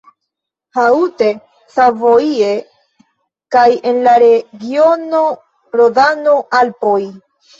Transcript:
Haute-Savoie kaj en la regiono Rodano-Alpoj.